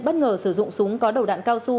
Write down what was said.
bất ngờ sử dụng súng có đầu đạn cao su